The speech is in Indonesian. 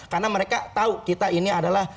karena mereka tahu kita ini adalah